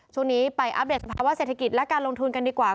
ช่วงนี้ไปอัปเดตสภาวะเศรษฐกิจและการลงทุนกันดีกว่า